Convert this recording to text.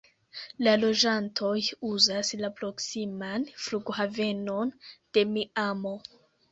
La loĝantoj uzas la proksiman flughavenon de Miamo.